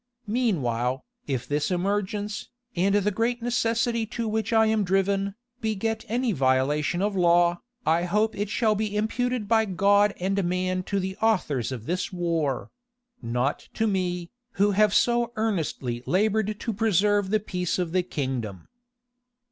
Meanwhile, if this emergence, and the great necessity to which I am driven, beget any violation of law, I hope it shall be imputed by God and man to the authors of this war; not to me, who have so earnestly labored to preserve the peace of the kingdom.